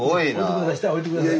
下へ置いて下さい。